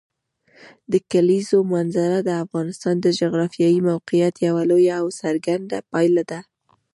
د کلیزو منظره د افغانستان د جغرافیایي موقیعت یوه لویه او څرګنده پایله ده.